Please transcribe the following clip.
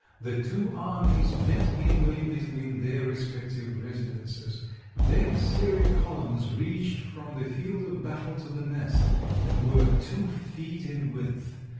The two armies met midway between their respective residences. Their serried columns reached from the field of battle to the nest, and were two feet in width.